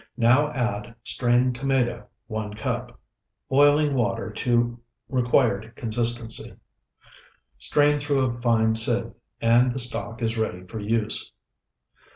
Now add Strained tomato, 1 cup. Boiling water to required consistency. Strain through a fine sieve, and the stock is ready for use.